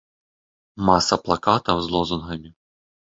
Маса плакатаў з лозунгамі.